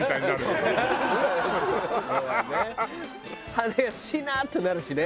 羽根がしなーってなるしね。